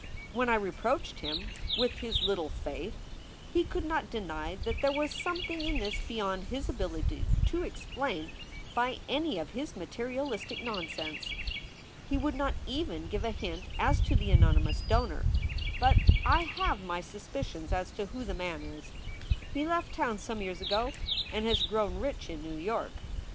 When I reproached him with his little faith he could not deny that there was something in this beyond his ability to explain by any of his materialistic nonsense. He would not even give a hint as to the anonymous donor, but I have my suspicions as to who the man is. He left town some years ago and has grown rich in New York.